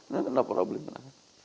nah kenapa problemnya